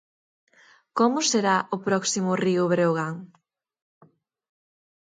Como será o próximo Río Breogán?